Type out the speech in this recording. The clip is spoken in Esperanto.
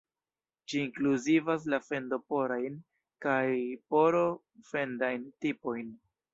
Ĝi inkluzivas la fendo-porajn kaj poro-fendajn tipojn.